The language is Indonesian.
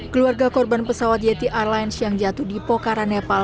keluarga korban pesawat yeti airlines yang jatuh di pokhara nepal